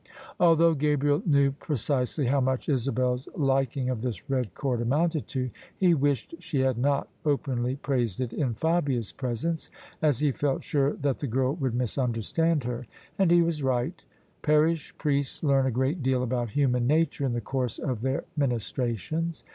Although Gabriel knew precisely how much Isabel's lik ing of this red cord amounted to, he wished she had not openly praised it in Fabia's presence, as he felt sure that the girl would misunderstand her: and he was right: parish priests learn a great deal about human nature in the course of their ministrations.